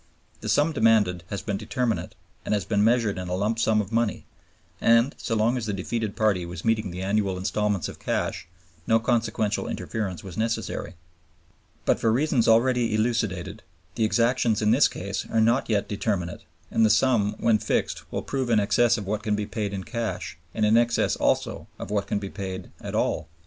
The sum demanded has been determinate and has been measured in a lump sum of money; and so long as the defeated party was meeting the annual instalments of cash no consequential interference was necessary. But for reasons already elucidated, the exactions in this case are not yet determinate, and the sum when fixed will prove in excess of what can be paid in cash and in excess also of what can be paid at all.